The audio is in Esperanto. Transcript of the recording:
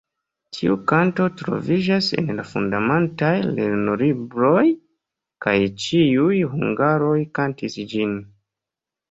Tiu kanto troviĝas en la fundamentaj lernolibroj kaj ĉiuj hungaroj kantis ĝin.